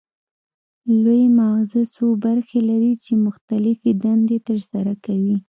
لوی مغزه څو برخې لري چې مختلفې دندې ترسره کوي